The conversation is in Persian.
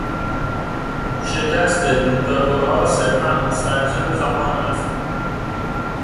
شکست دیکتاتورها صرفا مستلزم زمان است.